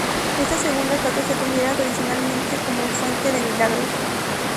Esta segunda estatua se considera tradicionalmente como fuente de milagros.